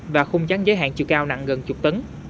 và khung chắn giới hạn chiều cao nặng gần chục tấn